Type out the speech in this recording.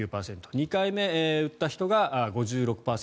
２回目を打った人が５６％。